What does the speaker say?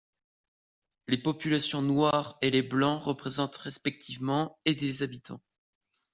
Les populations noires et les blancs représentent respectivement et des habitants.